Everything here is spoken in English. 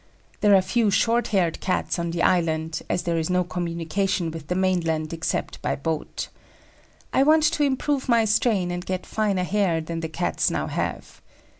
There are few short haired cats on the island as there is no communication with the mainland except by boat. I want to improve my strain and get finer hair than the Cats now have.